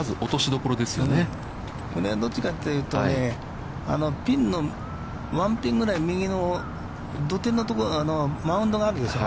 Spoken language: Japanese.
これはどっちかというと、ワンピンぐらい前の土手のところ、マウンドがあるでしょう。